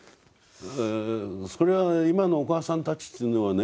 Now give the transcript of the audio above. それは今のお母さんたちっていうのはね